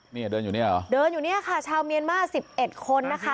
เนี่ยเดินอยู่เนี่ยเหรอเดินอยู่เนี่ยค่ะชาวเมียนมาสิบเอ็ดคนนะคะ